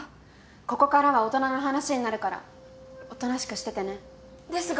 ここからは大人の話になるからおとなしくしててね。ですが。